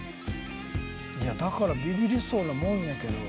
［だからビビりそうなもんやけど］